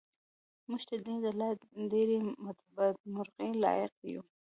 موږ تر دې د لا ډېرې بدمرغۍ لایق یو.